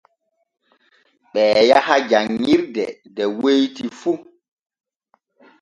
Ɓee yaha janŋirde de weyti fu.